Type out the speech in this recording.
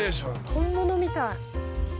本物みたい。